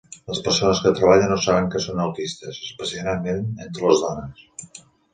Les persones que treballen no saben que són autistes, especialment entre les dones.